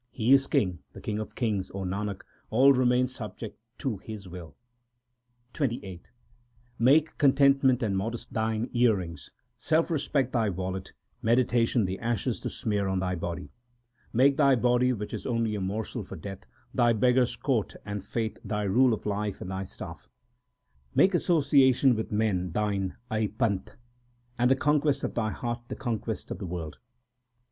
He is King, the King of kings, O Nanak ; all remain subject to His will. XXVIII 2 Make contentment and modesty thine earrings, self respect thy wallet, meditation the ashes to smear on thy body ; Make thy body, which is only a morsel for death, thy beggar s coat, and faith thy rule of life and thy staff. 3 Make association with men thine Ai Panth, 4 and the conquest of thy heart the conquest of the world.